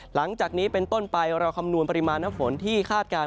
หลังจากนี้เป็นต้นไปเราคำนวณปริมาณน้ำฝนที่คาดการณ